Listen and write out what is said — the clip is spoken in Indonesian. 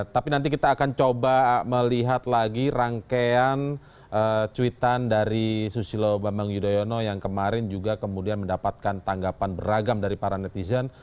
tapi nanti kita akan coba melihat lagi rangkaian cuitan dari susilo bambang yudhoyono yang kemarin juga kemudian mendapatkan tanggapan beragam dari para netizen